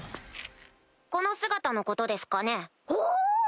この姿のことですかね？